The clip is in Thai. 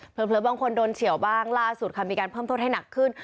บางคนโดนเฉียวบ้างล่าสุดค่ะมีการเพิ่มโทษให้หนักขึ้น